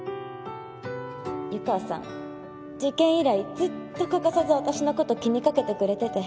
湯川さん事件以来ずっと欠かさず私のこと気にかけてくれてて。